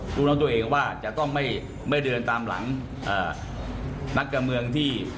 รู้น้องตัวเองว่าจะต้องไม่เดินตามหลังนักการเมืองที่